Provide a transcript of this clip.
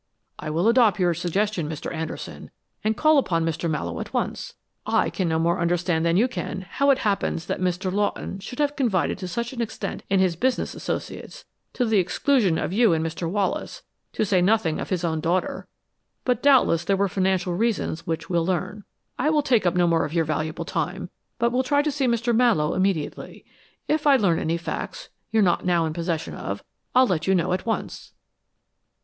"I will adopt your suggestion, Mr. Anderson, and call upon Mr. Mallowe at once. I can no more understand than you can how it happens that Mr. Lawton should have confided to such an extent in his business associates, to the exclusion of you and Mr. Wallace to say nothing of his own daughter; but doubtless there were financial reasons which we'll learn. I will take up no more of your valuable time, but will try to see Mr. Mallowe immediately. If I learn any facts you're not now in possession of, I'll let you know at once."